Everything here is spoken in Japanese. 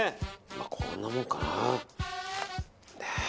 こんなもんかな。